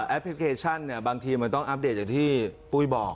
พลิเคชันเนี่ยบางทีมันต้องอัปเดตอย่างที่ปุ้ยบอก